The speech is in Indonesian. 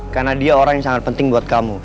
karena dia orang yang sangat penting buat kamu